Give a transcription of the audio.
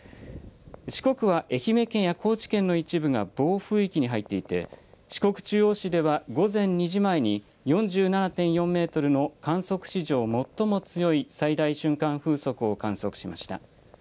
四国は愛媛県や高知県の一部が暴風域に入っていて、四国中央市では午前２時前に、４７．４メートルの観測史上最も強い最大瞬間風速を観測しました。